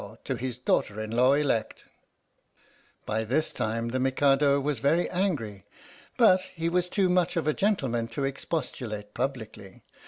To his daughter in law elect ! By this time the Mikado was very angry, but he 95 THE STORY OF THE MIKADO was too much of a gentleman to expostulate publicly.